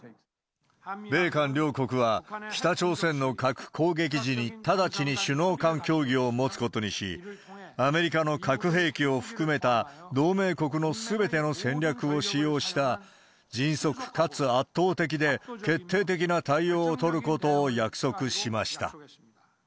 米韓両国は、北朝鮮の核攻撃時に、直ちに首脳間協議を持つことにし、アメリカの核兵器を含めた同盟国のすべての戦略を使用した、迅速かつ圧倒的で決定的な対応を取ることを約束しました。